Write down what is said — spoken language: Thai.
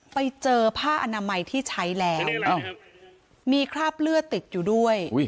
ไปเจอผ้าอนามัยที่ใช้แล้วมีคราบเลือดติดอยู่ด้วย